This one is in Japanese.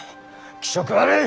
気色悪い！